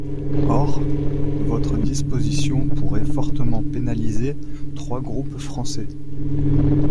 Or, votre disposition pourrait fortement pénaliser trois groupes français.